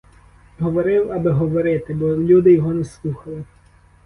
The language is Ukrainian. Говорив, аби говорити, бо люди його не слухали.